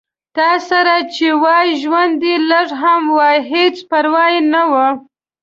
تاسره چې وای ژوند دې لږ هم وای هېڅ پرواه نه وه